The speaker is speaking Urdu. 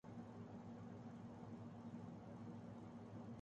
جنس ایک عمل کا نام ہے